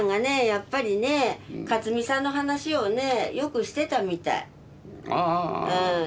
やっぱりね克己さんの話をねよくしてたみたい。ああ。